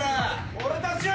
俺たちは！